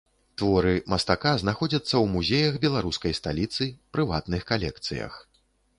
Творы мастака знаходзяцца ў музеях беларускай сталіцы, прыватных калекцыях.